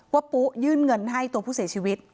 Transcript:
ปุ๊ยื่นเงินให้ตัวผู้เสียชีวิต